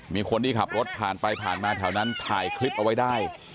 มีคนที่ขับรถผ่านไปผ่านมาแถวนั้นถ่ายคลิปเอาไว้ได้